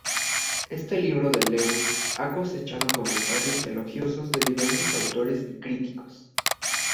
Este libro de Lewis ha cosechado comentarios elogiosos de diversos autores y críticos.